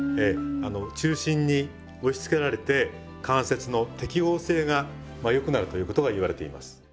中心に押しつけられて関節の適合性がまあよくなるということがいわれています。